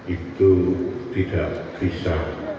itu tidak bisa